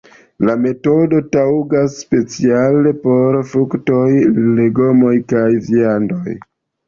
La metodo taŭgas speciale por fruktoj, legomoj kaj viando.